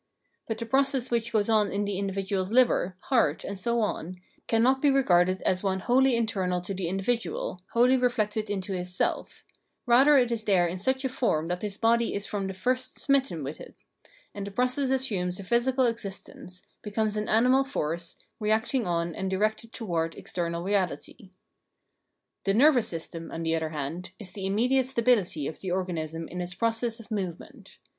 But the process which goes on in the individual's hver, heart, and so on, cannot be regarded as one wholly internal to the individual, wholly reflected into his self ; rather it is there in such a form that his Body is from the first smitten with it, and the process assumes a physical existence, becomes an animal force, reacting on and directed towards external reahty. The nervous system, on the other hand, is the immediate stability of the organism in its process of movement.